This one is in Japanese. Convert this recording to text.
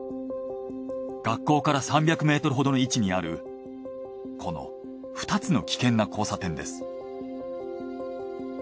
学校から３００ｍほどの位置にあるこの２つの危険な交差点です。